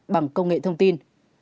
bằng công nghệ thông tin